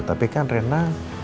tapi kan rena